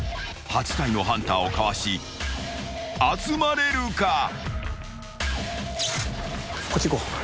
［８体のハンターをかわし集まれるか？］